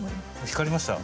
光りました。